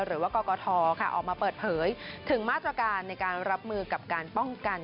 หรือว่ากกทออกมาเปิดเผยถึงมาตรการในการรับมือกับการป้องกัน